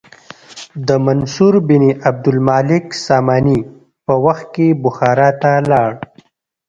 د منصور بن عبدالمالک ساماني په وخت کې بخارا ته لاړ.